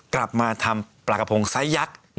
กลับมาทำปลากระพงไซสยักษ์